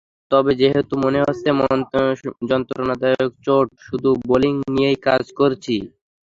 তবে যেহেতু মনে হচ্ছে যন্ত্রণাদায়ক চোট, শুধু বোলিং নিয়েই কাজ করছি।